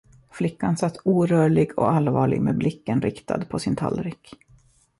Flickan satt orörlig och allvarlig med blicken riktad på sin tallrik.